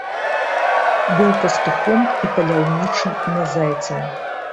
Быў пастухом і паляўнічым на зайцаў.